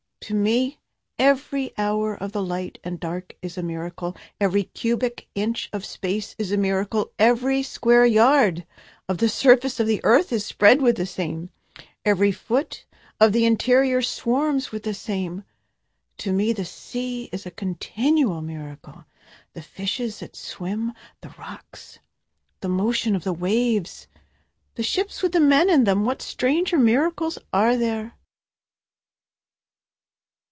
To me every hour of the light and dark is a miracle, Every cubic inch of space is a miracle, Every square yard of the surface of the earth is spread with the same, Every foot of the interior swarms with the same. To me the sea is a continual miracle, The fishes that swim the rocks the motion of the waves the ships with the men in them, What stranger miracles are there?